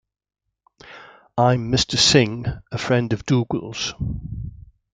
I'm Mr. Singh, a friend of Dougal's.